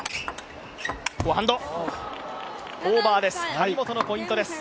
張本のポイントです！